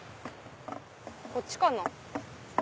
こっちかな。